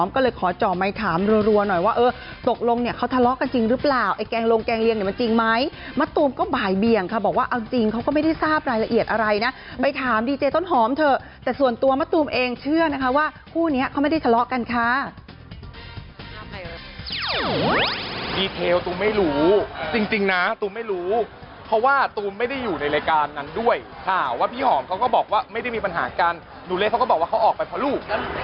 ก็เลยขอจอมไปถามรัวหน่อยว่าเออตกลงเขาทะเลาะกันจริงหรือเปล่าแกงลงแกงเลียงนี่มันจริงไหมมะตูมก็บ่ายเบียงค่ะบอกว่าเอาจริงเขาก็ไม่ได้ทราบรายละเอียดอะไรนะไปถามดีเจต้นหอมเถอะแต่ส่วนตัวมะตูมเองเชื่อนะคะว่าคู่นี้เขาไม่ได้ทะเลาะกันค่ะดีเทลตูมไม่รู้จริงนะตูมไม่รู้เพราะว่าตู